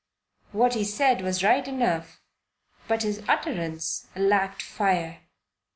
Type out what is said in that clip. What he said was right enough, but his utterance lacked fire.